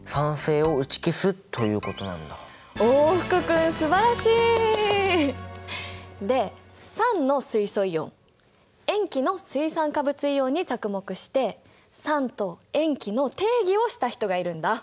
おお福君すばらしい！で酸の水素イオン塩基の水酸化物イオンに着目して酸と塩基の定義をした人がいるんだ。